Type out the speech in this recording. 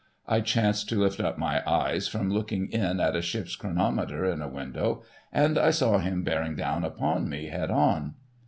I chanced to lift up my eyes from looking in at a ship's chronometer in a window, and I saw him bearing down upon me, head on.